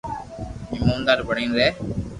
ايموندار بڻين رھي